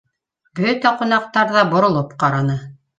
Бөтә ҡунаҡтар ҙа боролоп ҡараны